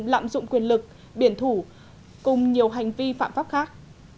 lạm dụng quyền lực biển thủ cùng nhiều hành vi phạm pháp khác